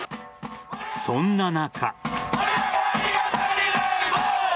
そんな中。